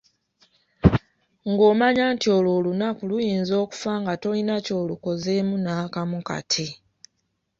Ng'omanya nti olwo olunaku luyinza okukufa nga tolina kyolukozeemu nakamu kati .